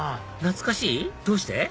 どうして？